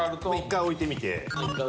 １回置いてみて。